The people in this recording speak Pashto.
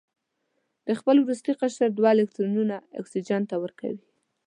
د خپل وروستي قشر دوه الکترونونه اکسیجن ته ورکوي.